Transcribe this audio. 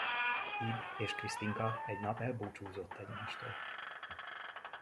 Ib és Krisztinka, egy nap elbúcsúzott egymástól.